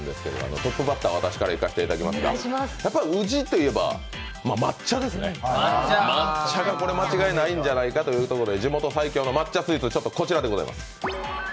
トップバッター私から行かせていただきますが宇治といえば抹茶が間違いなんじゃないかというところで地元最強の抹茶スイーツ、こちらでございます。